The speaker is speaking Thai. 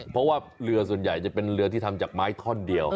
เพราะว่าเรือส่วนใหญ่จะเป็นเรือที่ทำจากไม้ท่อนเดียว